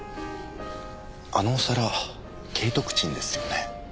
あのお皿景徳鎮ですよね？